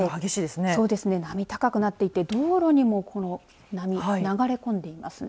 波、高くなっていて道路にも、この波、流れ込んでいますね。